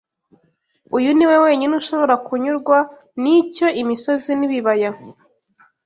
Uwo ni we wenyine ushobora kunyurwa n’icyo imisozi n’ibibaya